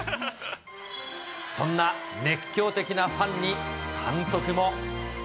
そんな熱狂的なファンに監督も。